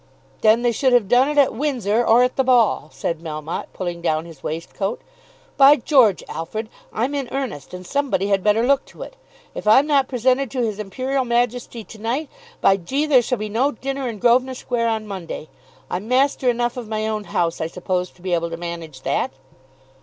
"Then they should have done it at Windsor, or at the ball," said Melmotte, pulling down his waistcoat. "By George, Alfred! I'm in earnest, and somebody had better look to it. If I'm not presented to his Imperial Majesty to night, by G , there shall be no dinner in Grosvenor Square on Monday. I'm master enough of my own house, I suppose, to be able to manage that."